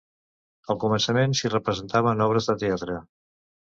Al començament s'hi representaven obres de teatre.